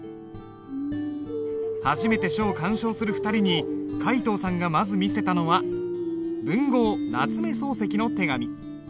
初めて書を鑑賞する２人に皆藤さんがまず見せたのは文豪夏目漱石の手紙。